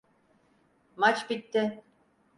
Maç bitti!